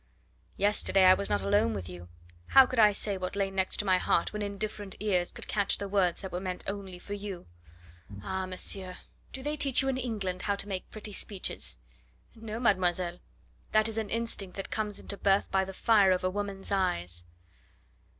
"Yesterday I was not alone with you. How could I say what lay next my heart, when indifferent ears could catch the words that were meant only for you?" "Ah, monsieur, do they teach you in England how to make pretty speeches?" "No, mademoiselle, that is an instinct that comes into birth by the fire of a woman's eyes."